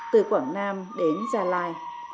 từ quảng nam đến gia lai